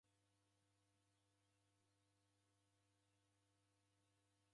W'ahalifu w'engi ni w'andu w'atini.